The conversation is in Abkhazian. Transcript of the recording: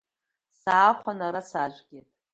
Саахәаны ара саажәгеит.